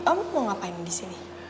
kamu mau ngapain di sini